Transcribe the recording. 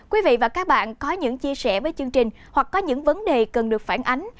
quý vị và các bạn có những chia sẻ với chương trình hoặc có những vấn đề cần được phản ánh